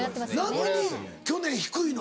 なのに去年低いの？